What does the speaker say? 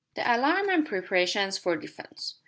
THE ALARM AND PREPARATIONS FOR DEFENCE.